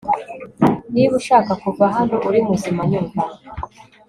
Niba ushaka kuva hano uri muzima nyumva